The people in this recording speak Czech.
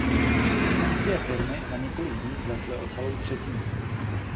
Akcie firmy za několik dní klesly o celou třetinu.